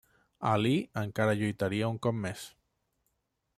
Ali encara lluitaria un cop més.